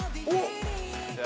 おっ！